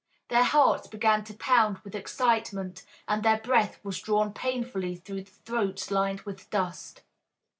Their hearts began to pound with excitement, and their breath was drawn painfully through throats lined with dust.